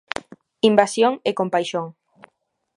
Invasión e compaixón.